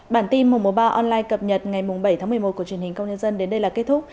bản tin mùa ba online cập nhật ngày bảy một mươi một của truyền hình công nhân dân đến đây là kết thúc